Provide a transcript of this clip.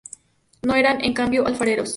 No eran, en cambio, alfareros.